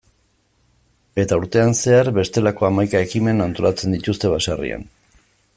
Eta urtean zehar, bestelako hamaika ekimen antolatzen dituzte baserrian.